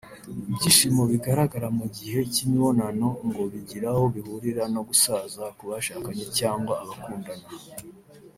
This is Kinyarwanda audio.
Ibyishimo bigaragara mu gihe cy’imibonano ngo bigira aho bihurira no gusaza ku bashakanye cyangwa abakundana